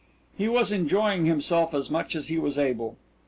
He was enjoying himself as much as he was able.